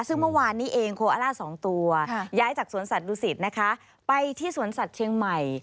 ซึ่งเมื่อวานนี้เองโคอล่า๒ตัวย้ายจากสวนสัตวศิษฐ์นะคะไปที่สวนสัตว์เชียงใหม่